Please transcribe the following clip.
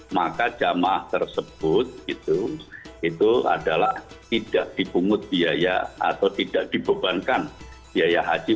maka jamaah tersebut itu adalah tidak dipungut biaya atau tidak dibebankan biaya haji